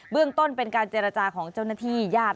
เรื่องต้นเป็นการเจรจาของเจ้าหน้าที่ญาติ